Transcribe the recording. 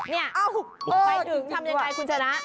ไปถึงทำยังไงคุณชนะ